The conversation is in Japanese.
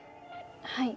はい。